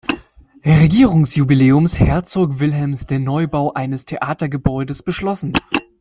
Regierungsjubiläums Herzog Wilhelms der Neubau eines Theatergebäudes beschlossen.